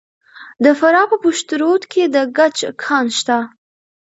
د فراه په پشت رود کې د ګچ کان شته.